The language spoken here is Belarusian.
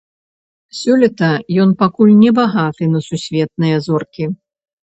Сёлета ён пакуль не багаты на сусветныя зоркі.